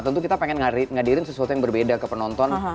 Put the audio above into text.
tentu kita pengen ngadirin sesuatu yang berbeda ke penonton